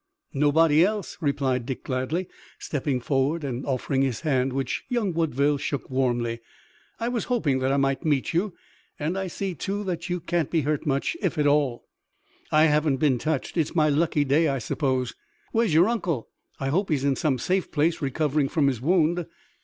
"Nobody else," replied Dick gladly, stepping forward and offering his hand, which young Woodville shook warmly. "I was hoping that I might meet you, and I see, too, that you can't be hurt much, if at all." "I haven't been touched. It's my lucky day, I suppose." "Where's your uncle? I hope he's in some safe place, recovering from his wound."